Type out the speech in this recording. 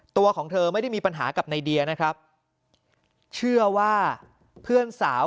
ตัวของเธอไม่ได้มีปัญหากับในเดียนะครับเชื่อว่าเพื่อนสาว